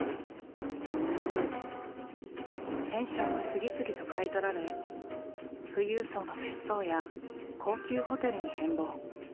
ペンションは次々と買い取られ富裕層の別荘や高級ホテルに変貌。